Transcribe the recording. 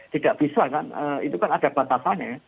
tidak bisa kan itu kan ada batasannya ya